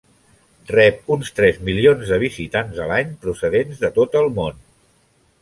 Rep uns tres milions de visitants a l'any procedents de tot el món.